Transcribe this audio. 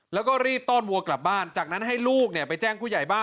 แล้วก็รีบต้อนวัวกลับบ้านจากนั้นให้ลูกไปแจ้งผู้ใหญ่บ้าน